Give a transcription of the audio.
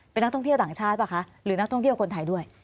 เป็นนักท่องเที่ยวต่างชาติป่ะคะหรือนักท่องเที่ยวคนไทยด้วย